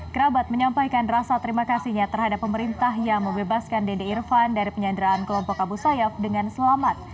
kerabat menyampaikan rasa terima kasihnya terhadap pemerintah yang membebaskan dede irfan dari penyanderaan kelompok abu sayyaf dengan selamat